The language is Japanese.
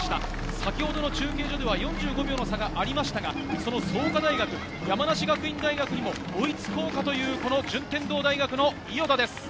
先ほどの中継所では４５秒の差がありましたが、その創価大学、山梨学院大学にも追いつこうかという順天堂大学の伊豫田です。